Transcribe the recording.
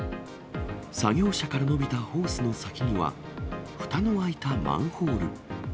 作業車から延びたホースの先には、ふたの開いたマンホール。